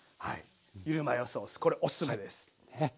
ゆるマヨソースこれおすすめです。